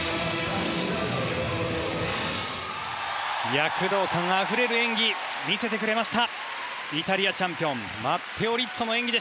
躍動感あふれる演技を見せてくれました。